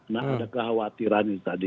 nah ada kekhawatiran itu tadi